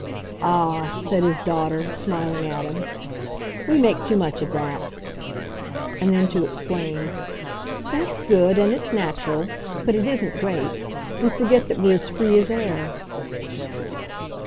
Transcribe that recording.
"Ah," said his daughter, smiling at him, "we make too much of that!" And then to explain: "That's good, and it's natural but it isn't great. We forget that we're as free as air."